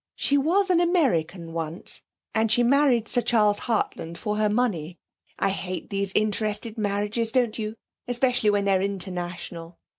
'She was an American once, and she married Sir Charles Hartland for her money. I hate these interested marriages, don't you? especially when they're international.